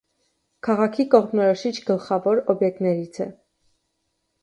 Քաղաքի կողմնորոշիչ գլխավոր օբյեկտներից է։